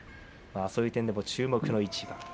そういう点では注目の一番。